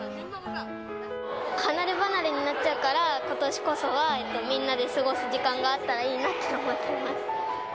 離れ離れになっちゃうから、ことしこそは、みんなで過ごす時間があったらいいなと思ってます。